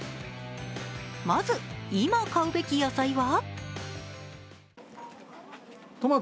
まず、今買うべき野菜は？